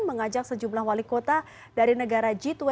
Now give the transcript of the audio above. mengajak sejumlah wali kota dari negara g dua puluh